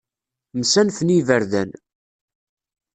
Msanfen i iberdan.